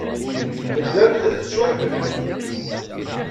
Tellamt tettwaḥemmlemt.